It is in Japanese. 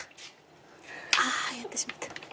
あやってしまった。